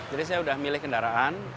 jadi saya sudah milih kendaraan